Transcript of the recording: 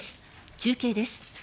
中継です。